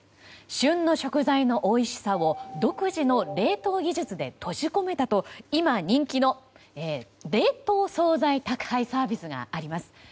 旬の食材のおいしさを独自の冷凍技術で閉じ込めたと今人気の冷凍総菜宅配サービスがあります。